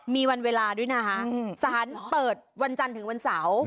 มีวันเวลาด้วยนะคะสารเปิดวันจันทร์ถึงวันเสาร์